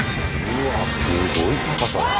うわっすごい高さだな。